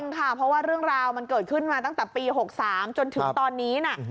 ค่ะเพราะว่าเรื่องราวมันเกิดขึ้นมาตั้งแต่ปี๖๓จนถึงตอนนี้นะ